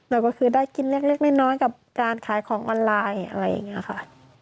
แล้วก็คือได้กินเล็กน้อยกับการขายของออนไลน์อะไรอย่างนี้ค่ะ